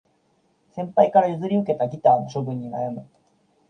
先輩から譲り受けたギターの処分に悩む